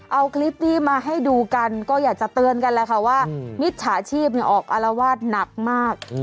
เอาคลิปนี้มาให้ดูกันก็อยากจะเตือนกันแหละค่ะว่ามิจฉาชีพออกอารวาสหนักมาก